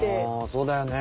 そうだよね。